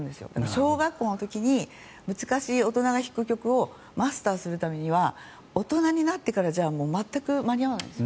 小学校の時に難しい、大人が弾く曲をマスターするためには大人になってからじゃもう全く間に合わないんです。